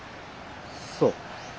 そう。